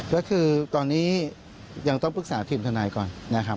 ก็คือตอนนี้ยังต้องปรึกษาทีมทนายก่อนนะครับ